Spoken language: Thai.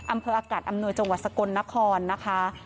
อำเภออากาศอำนวยจังหวัดสกลนครนะคะ